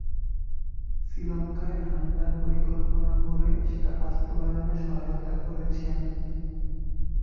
শ্রীলংকায় হামলার পরিকল্পনা করে সেটা বাস্তবায়নে সহায়তা করেছি আমি।